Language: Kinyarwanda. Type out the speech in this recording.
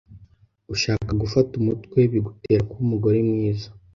Ushaka gufata umutwe bigutera kuba umugore mwiza